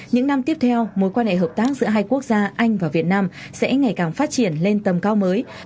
những năm tiếp theo mối quan hệ hợp tác giữa hai quốc gia anh và việt nam sẽ ngày càng phát triển lên tầm cao mới